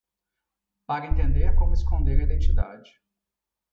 Para entender como esconder a identidade